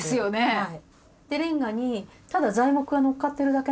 はい。